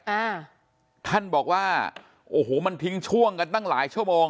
อ่าท่านบอกว่าโอ้โหมันทิ้งช่วงกันตั้งหลายชั่วโมง